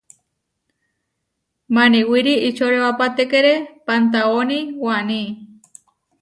Maniwirí ihčorewapatékere pantaóni waní.